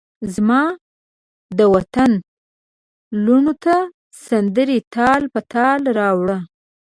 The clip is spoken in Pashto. زمادوطن لوڼوته سندرې تال په تال راوړه